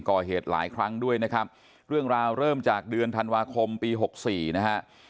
ก่อเหตุหลายครั้งด้วยนะครับเรื่องราวเริ่มจากเดือนธันวาคมปีหกสี่นะฮะ